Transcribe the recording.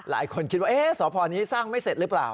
หลายคนคิดว่าสพนี้สร้างไม่เสร็จหรือเปล่า